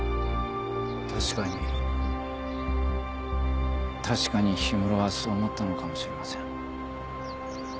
確かに確かに氷室はそう思ったのかもしれません。